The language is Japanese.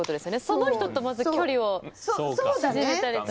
その人と、まず距離を縮めたり。